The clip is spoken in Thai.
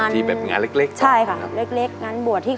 ทุกวันคืองานเล็ก